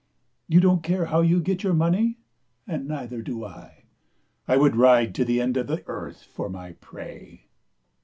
You don't care how you get your money, and neither do I. I would ride to the end of the earth for my prey."